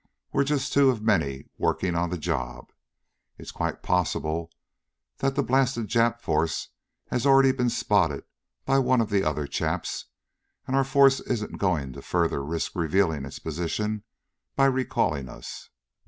We're just two of many working on the job. It's quite possible that the blasted Jap force has already been spotted by one of the other chaps, and our force isn't going to further risk revealing its position by recalling us.